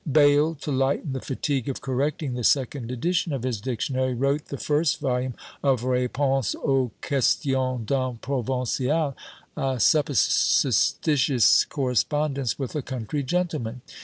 Bayle, to lighten the fatigue of correcting the second edition of his Dictionary, wrote the first volume of "Réponses aux Questions d'un Provincial," a supposititious correspondence with a country gentleman.